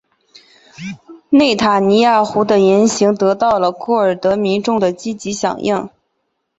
内塔尼亚胡的言行得到了库尔德民众的积极响应。